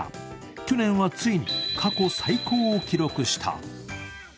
去年はついに過去最高を記録した。